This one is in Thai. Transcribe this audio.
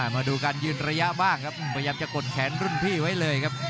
มาดูการยืนระยะบ้างครับพยายามจะกดแขนรุ่นพี่ไว้เลยครับ